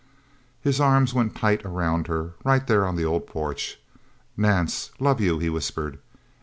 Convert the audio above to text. His arms went tight around her, right there on the old porch. "Nance love you," he whispered.